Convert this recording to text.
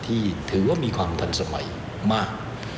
ที่ถือว่ามีความทันสมัยมาก